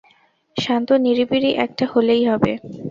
শান্ত-নিড়িবিড়ি একটা হলেই হবে।